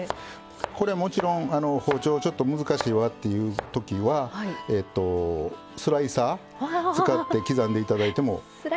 もちろん包丁ちょっと難しいわっていうときはスライサー使って刻んでいただいても。